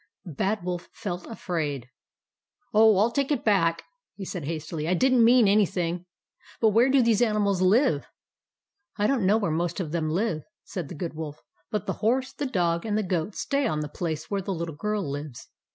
The Bad Wolf felt afraid. " Oh, I 11 take it back," he said hastily. " I did n't mean anything. But where do these animals live ?"" I don't know where most of them live," said the Good Wolf. " But the horse, the dog, and the goat stay on the place where the Little Girl lives.